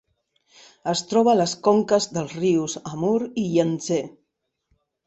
Es troba a les conques dels rius Amur i Iang-Tsé.